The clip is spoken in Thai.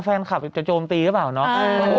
แฟนคลับจะโจมตีหรือเปล่าเนาะ